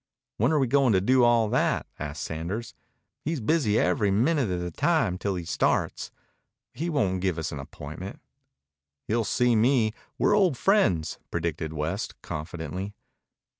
"When are we going to do all that?" asked Sanders. "He's busy every minute of the time till he starts. He won't give us an appointment." "He'll see me. We're old friends," predicted West confidently.